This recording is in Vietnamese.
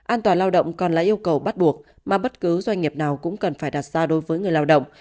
an toàn lao động còn là yêu cầu bắt buộc mà bất cứ doanh nghiệp nào cũng cần phải đặt ra đối với người lao động